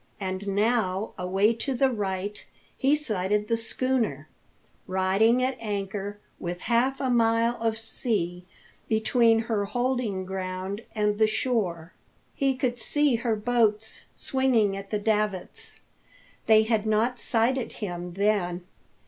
And now, away to the right, he sighted the schooner, riding at anchor with half a mile of sea between her holding ground and the shore. He could see her boats swinging at the davits. They had not sighted him, then.